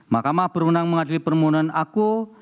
mahkamah berwenang mengadili permohonan aku